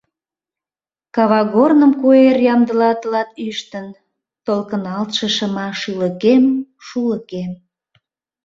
Кавагорным куэр ямдыла тылат ӱштын, Толкыналтше шыма шӱлыкем-шулыкем.